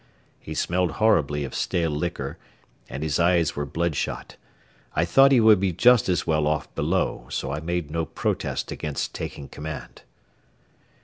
He smelled horribly of stale liquor, and his eyes were bloodshot. I thought he would be just as well off below, so I made no protest against taking command.